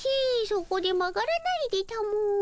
そこで曲がらないでたも。